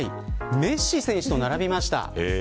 メッシ選手と並びました。